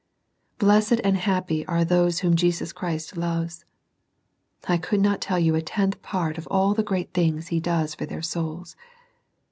Blessed and happy are those whom Jesus Christ loves. I could not tell you a tenth part of all the great things He does for their souls.